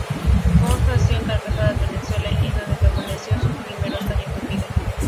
Pons nació en Caracas, Venezuela, en donde permaneció sus primeros años de vida.